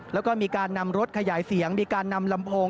แล้วก็มีการนำรถขยายเสียงมีการนำลำโพง